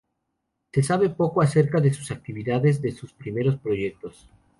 Se sabe poco acerca de sus actividades, de sus primeros proyectos.